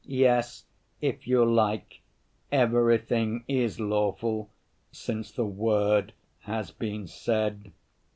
"Yes, if you like, 'everything is lawful' since the word has been said.